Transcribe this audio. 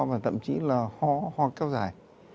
và thậm chí là ho ho kéo dài